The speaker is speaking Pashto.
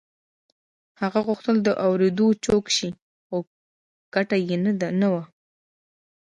هغه غوښتل د اورېدو جوګه شي خو ګټه يې نه وه.